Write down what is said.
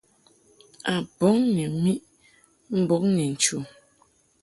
A bɔŋ ni miʼ mbɔŋ ni nchu.